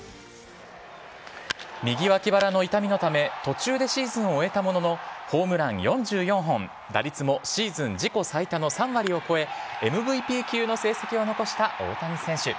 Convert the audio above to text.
右脇腹の痛みのため、途中でシーズンを終えたものの、ホームラン４４本、打率もシーズン自己最多の３割を超え、ＭＶＰ級の成績を残した大谷選手。